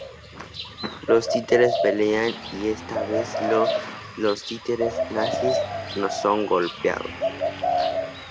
Los títeres pelean y esta vez los títeres nazis son golpeados.